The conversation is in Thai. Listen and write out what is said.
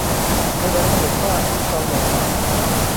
แสดงให้เห็นว่าคุณเกาอย่างไร